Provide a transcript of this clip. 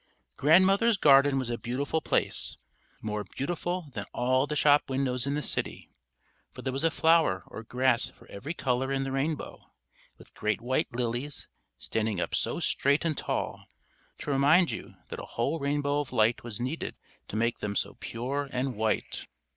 Grandmother's garden was a beautiful place, more beautiful than all the shop windows in the city; for there was a flower or grass for every color in the rainbow, with great white lilies, standing up so straight and tall, to remind you that a whole rainbow of light was needed to make them so pure and white.